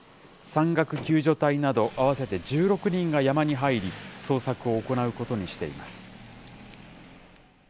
山岳救助隊など、合わせて１６人が山に入り、捜索を行うことにしています。